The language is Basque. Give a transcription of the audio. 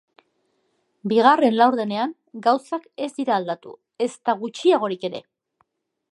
Bigarren laurdenean gauzak ez dira aldatu, ezta gutxiagorik ere.